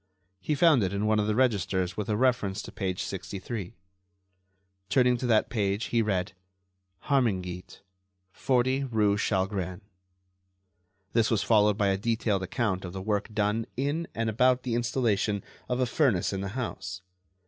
He found it in one of the registers with a reference to page 63. Turning to that page, he read: "Harmingeat, 40 rue Chalgrin." This was followed by a detailed account of the work done in and about the installation of a furnace in the house.